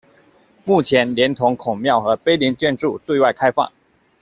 目前连同孔庙和碑林建筑对外开放。